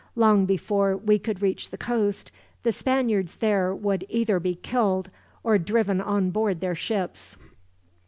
Long before we could reach the coast, the Spaniards there would either be killed, or driven on board their ships."